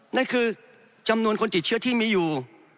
นั่นคือจำนวนคนติดเชื้อที่มีอยู่